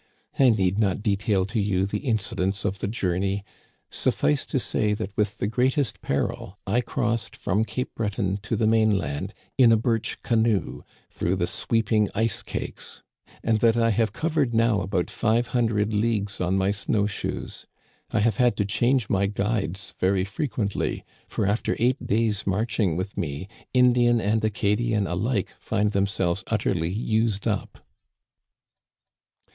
I need not detail to you the incidents of the journey. Suffice to say that with the greatest peril I crossed from Cape Breton to the main land in a birch canoe, through the sweeping ice cakes ; and that I have covered now about five hundred leagues on my snow shoes. I have had to change my guides very frequent ly, for after eight days* marching with me, Indian and Acadian alike find themselves utterly used up."